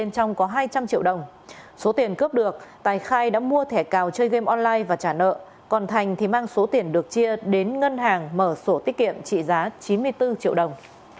trong số tiền cướp được tài khai đã mua thẻ cào chơi game online và trả nợ còn thành thì mang số tiền được chia đến ngân hàng mở sổ tiết kiệm trị giá chín mươi bốn triệu đồng